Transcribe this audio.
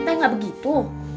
teh gak begitu